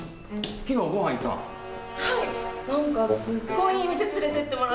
はい。